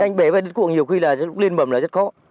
anh bể vào đứt cuộng nhiều khi là lên bầm là rất khó